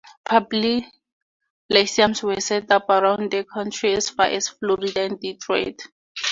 Public Lyceums were set up around the country, as far as Florida and Detroit.